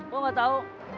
kok nggak tau